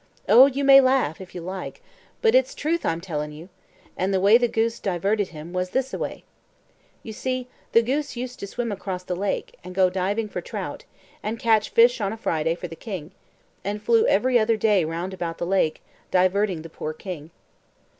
Oh, you may laugh, if you like, but it's truth I'm telling you; and the way the goose diverted him was this a way: You see, the goose used to swim across the lake, and go diving for trout, and catch fish on a Friday for the king, and flew every other day round about the lake, diverting the poor king.